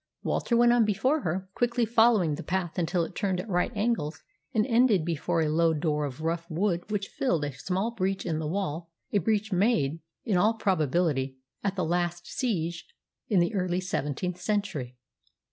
Walter went on before her, quickly following the path until it turned at right angles and ended before a low door of rough wood which filled a small breach in the wall a breach made, in all probability, at the last siege in the early seventeenth century.